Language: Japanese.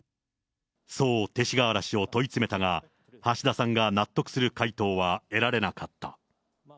そう勅使河原氏を問い詰めたが、橋田さんが納得する回答は得られなかった。